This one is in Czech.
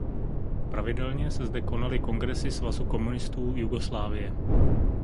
Pravidelně se zde konaly kongresy Svazu komunistů Jugoslávie.